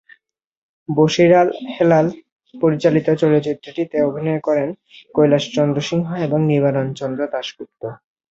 বশীর আল-হেলাল পরিচালিত চলচ্চিত্রটিতে অভিনয় করেন কৈলাসচন্দ্র সিংহ এবং নিবারণচন্দ্র দাশগুপ্ত।